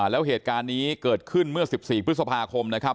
แล้วเหตุการณ์นี้เกิดขึ้นเมื่อ๑๔พฤษภาคมนะครับ